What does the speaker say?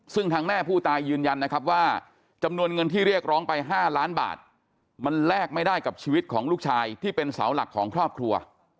ซึ่งทางแม่ผู้ตายยืนยันนะครับว่าจำนวนเงินที่เรียกร้องไป๕ล้านบาทมันแลกไม่ได้กับชีวิตของลูกชายที่เป็นเสาหลักของครอบครัว